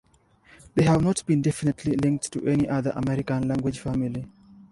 They have not been definitely linked to any other American language family.